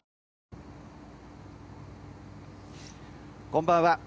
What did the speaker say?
こんばんは。